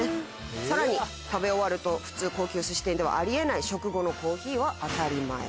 更に食べ終わると普通高級寿司店ではありえない食後のコーヒーはあたりまえ。